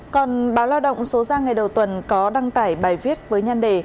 còn báo lao động số ra ngày đầu tuần có đăng tải bài viết với nhan đề